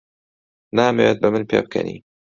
نامەوێت بە من پێبکەنی.